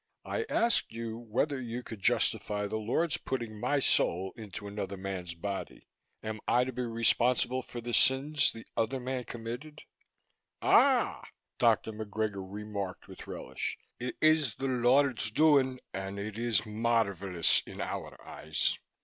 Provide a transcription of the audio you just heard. "I asked you whether you could justify the Lord's putting my soul into another man's body. Am I to be responsible for the sins the other man committed?" "Ah!" Dr. McGregor remarked, with relish, "It is the Lord's doing and it is marvelous in our eyes.